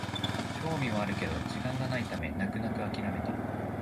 興味はあるけど時間がないため泣く泣くあきらめた